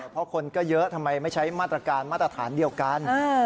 เพราะคนก็เยอะทำไมไม่ใช้มาตรการมาตรฐานเดียวกัน